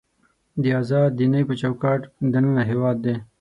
د ازاد دینۍ په چوکاټ دننه هېواد دی.